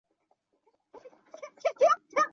他们早年一同求学于周敦颐。